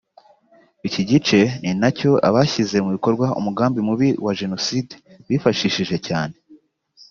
Iki gice ni na cyo abashyize mu bikorwa umugambi mubi wa Jenoside bifashishije cyane